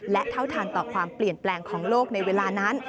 และเท่าทันต่อความเปลี่ยนแปลงของโลกในเวลานั้น